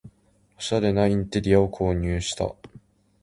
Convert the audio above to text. おしゃれなインテリアを購入した